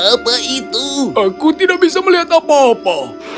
apa itu aku tidak bisa melihat apa apa